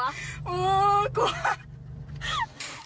เออกลัว